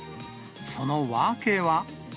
その訳は。